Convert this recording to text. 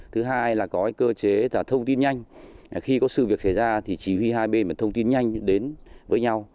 thứ hai là có cơ chế thông tin nhanh khi có sự việc xảy ra thì chỉ huy hai bên phải thông tin nhanh đến với nhau